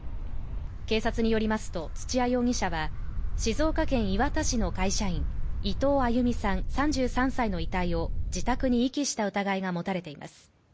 警察によりますと土屋容疑者は静岡県磐田市の会社員伊藤亜佑美さん３３歳の遺体を自宅に遺棄した疑いが持たれています。